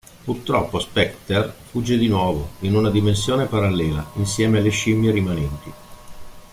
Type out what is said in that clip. Purtroppo Specter fugge di nuovo, in una dimensione parallela, insieme alle scimmie rimanenti.